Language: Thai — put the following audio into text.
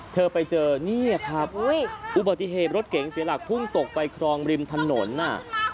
เธอไปเจอนี่ครับอุบัติเหตุรถเก๋งเสียหลักพุ่งตกไปครองริมถนนน่ะ